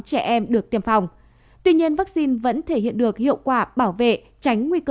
trẻ em được tiêm phòng tuy nhiên vaccine vẫn thể hiện được hiệu quả bảo vệ tránh nguy cơ